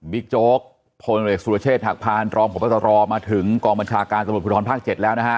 บิ๊กโจ๊กโพยหนุ่มเด็กสุรเชษฐ์หักพันธ์รองของพระบัตรรอมาถึงกองบัญชาการสมุดผู้ท้อนภาค๗แล้วนะฮะ